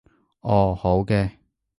哦，好嘅